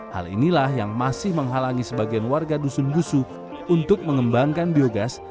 hal inilah yang masih menghalangi sebagian warga dusun busu untuk mengembangkan biogas